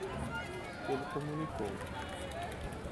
Ele comunicou.